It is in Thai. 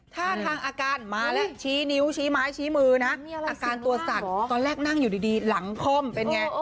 ถ้าทางอาการมาแล้วชี้นิ้วชี้ไม้ชี้มือนะอาการตัวสั่นตอนแรกนั่งอยู่ดีหลังค่อมเป็นไง